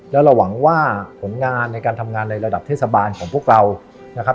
แล้วเราหวังว่าผลงานในการทำงานในระดับเทศบาลของพวกเรานะครับ